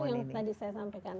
betul itu yang tadi saya sampaikan